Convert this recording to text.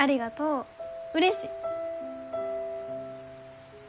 うれしい。